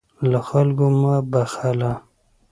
له خلکو مه بخله.